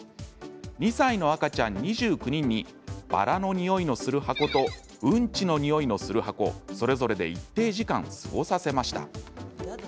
２歳の赤ちゃん２９人にバラの匂いのする箱とうんちの匂いのする箱それぞれで一定時間過ごさせました。